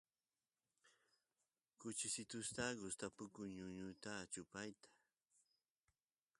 kuchisitusta gustapukun ñuñuta chupayta